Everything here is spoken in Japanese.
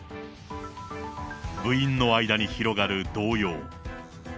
部員の間に広がる動揺。